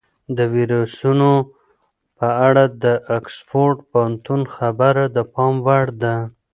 د ویروسونو په اړه د اکسفورډ پوهنتون خبره د پام وړ ده.